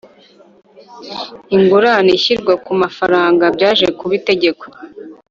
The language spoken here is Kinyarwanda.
ingurane ishyirwa ku mafaranga Byaje kuba itegeko